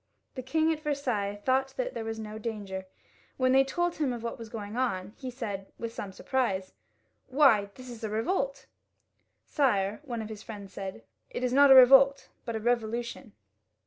The king at Versailles thought there was no danger. When they told him of what was going on, he said, with some surprise, "Why, this is a revolt!" " Sire, one of his friends said, " it is not a revolt, but a revolution."